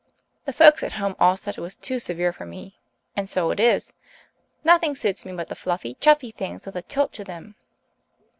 The folks at home all said it was too severe for me and so it is. Nothing suits me but the fluffy, chuffy things with a tilt to them.